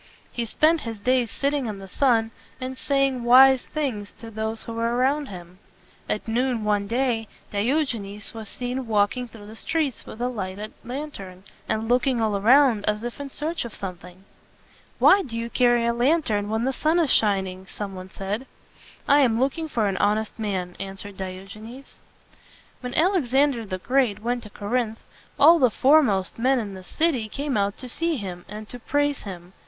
He spent his days sitting in the sun, and saying wise things to those who were around him. At noon one day, Di og e nes was seen walking through the streets with a lighted lantern, and looking all around as if in search of something. "Why do you carry a lantern when the sun is shining?" some one said. "I am looking for an honest man," answered Diogenes. When Alexander the Great went to Cor inth, all the fore most men in the city came out to see him and to praise him.